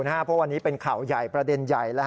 เพราะวันนี้เป็นข่าวใหญ่ประเด็นใหญ่